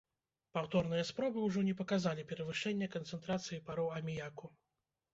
Паўторныя спробы ўжо не паказалі перавышэння канцэнтрацыі пароў аміяку.